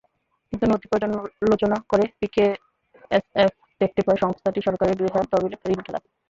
কিন্তু নথি পর্যালোচনা করে পিকেএসএফ দেখতে পায় সংস্থাটি সরকারের গৃহায়ণ তহবিলের ঋণখেলাপি।